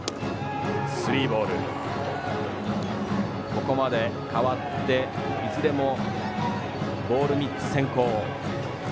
ここまで代わっていずれもボール３つ先行。